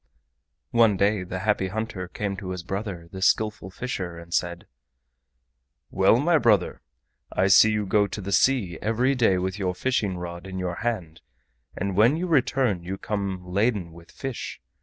One day the Happy Hunter came to his brother, the Skillful Fisher, and said: "Well, my brother, I see you go to the sea every day with your fishing rod in your hand, and when you return you come laden with fish.